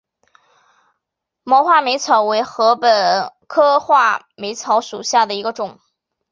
毛画眉草为禾本科画眉草属下的一个种。